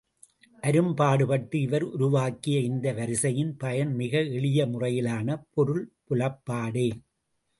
அரும்பாடுபட்டு இவர் உருவாக்கிய இந்த வரிசையின் பயன் மிக எளிய முறையிலான பொருள் புலப்பாடே.